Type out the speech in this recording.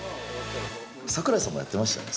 櫻井さんもやってましたよね。